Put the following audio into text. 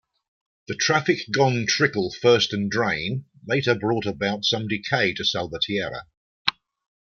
The traffic gone trickle first and drain later brought about some decay to Salvatierra.